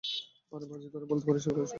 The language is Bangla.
আর, বাজী ধরে বলতে পারি সে ভালো আছে!